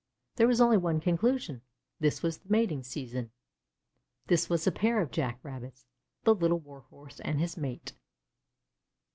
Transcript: There was only one conclusion: this was the mating season. This was a pair of Jack rabbits the Little Warhorse and his mate.